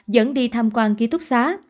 dẫn đi tham quan ký túc xá